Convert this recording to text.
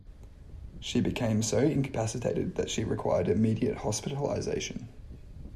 She became so incapacitated that she required immediate hospitalization.